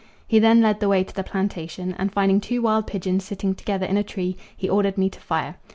He then led the way to the plantation, and finding two wild pigeons sitting together in a tree, he ordered me to fire.